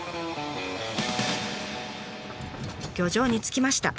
漁場に着きました。